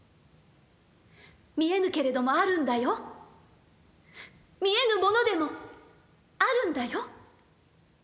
見えぬけれどもあるんだよ、見えぬものでもあるんだよ。